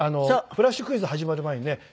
フラッシュクイズ始まる前にね